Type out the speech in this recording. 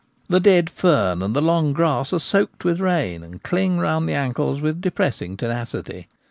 The dead fern and the long grass are soaked with rain, and cling round the ankles with depressing tenacity.